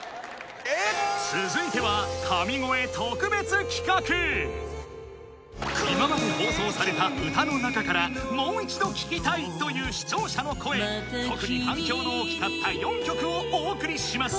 ⁉続いては今まで放送された歌の中から「もう一度聴きたい」という視聴者の声特に反響の大きかった４曲をお送りします